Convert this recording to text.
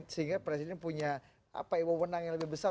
sehingga presiden punya apa ibu menang yang lebih besar